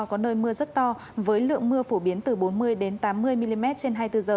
có nơi mưa rất to với lượng mưa phổ biến từ bốn mươi tám mươi mm trên hai mươi bốn h